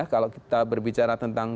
kalau kita berbicara tentang